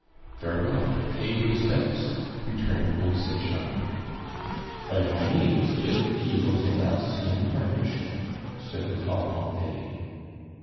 "Very well, pay his debts," returned old Sechard. "By all means, if he will take us into partnership," said the tall Cointet.